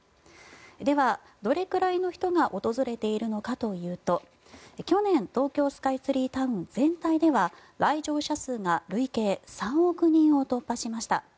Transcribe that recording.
ではどれくらいの人が訪れているのかというと去年東京スカイツリータウン全体では来場者数が累計３億人を突破しました。